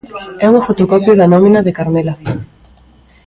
É unha fotocopia da nómina de Carmela.